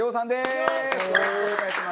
よろしくお願いします。